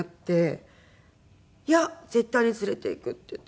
「いや絶対に連れて行く」って言って。